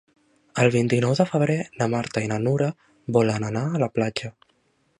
El vint-i-nou de febrer na Marta i na Nura volen anar a la platja.